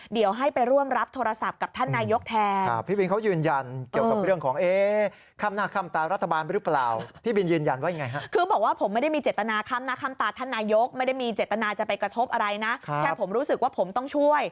เดี๋ยวให้ไปร่วมรับโทรศัพท์กับท่านนายกแทน